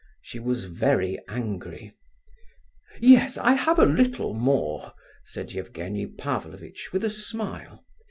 She was very angry. "Yes, I have a little more," said Evgenie Pavlovitch, with a smile.